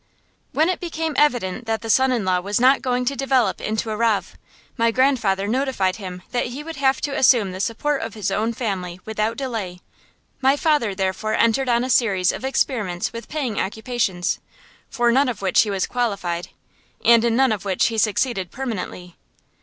When it became evident that the son in law was not going to develop into a rav, my grandfather notified him that he would have to assume the support of his own family without delay. My father therefore entered on a series of experiments with paying occupations, for none of which he was qualified, and in none of which he succeeded permanently.